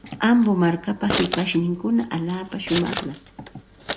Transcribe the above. Ambo markapa shipashninkuna allaapa shumaqmi.